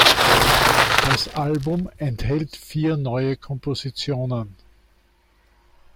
Das Album enthält vier neue Kompositionen.